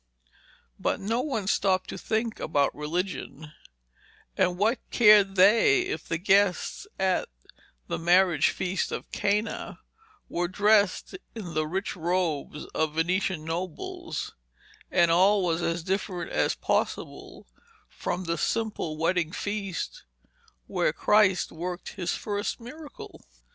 But no one stopped to think about religion, and what cared they if the guests at the 'Marriage Feast of Cana' were dressed in the rich robes of Venetian nobles, and all was as different as possible from the simple wedding feast where Christ worked his first miracle.